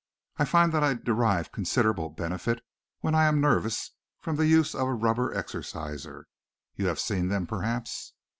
I find that I derive considerable benefit when I am nervous from the use of a rubber exerciser. You have seen them perhaps?"